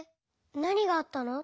なにがあったの？